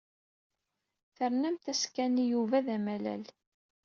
Ternamt-as Ken i Yuba d amalal.